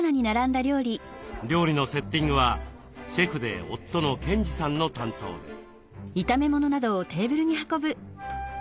料理のセッティングはシェフで夫の賢治さんの担当です。